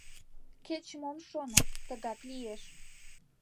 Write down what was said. Кеч-мом шоно, тыгак лиеш.